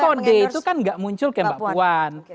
tapi kan kode itu kan gak muncul ke mbak puan